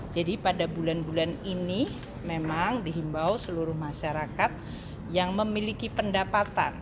jadi pada bulan bulan ini memang dihimbau seluruh masyarakat yang memiliki pendapatan